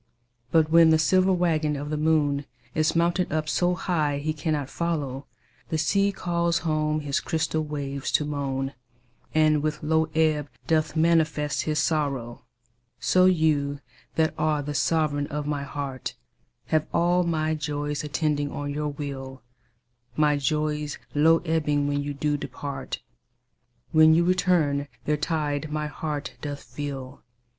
But when the silver waggon of the moon Is mounted up so high he cannot follow, The sea calls home his crystal waves to moan, And with low ebb doth manifest his sorrow. So you that are the sovereign of my heart Have all my joys attending on your will; My joys low ebbing when you do depart, When you return their tide my heart doth fill.